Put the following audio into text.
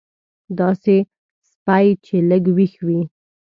داسې سپی چې لږ وېښ وي.